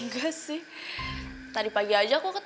masih di sekolah